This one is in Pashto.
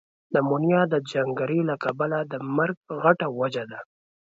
نمونیا ده جنګری له کبله ده مرګ غټه وجه ده۔